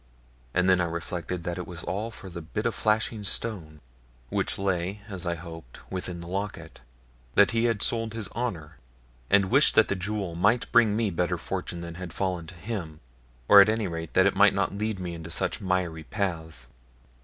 And then I reflected that it was all for the bit of flashing stone, which lay as I hoped within the locket, that he had sold his honour; and wished that the jewel might bring me better fortune than had fallen to him, or at any rate, that it might not lead me into such miry paths.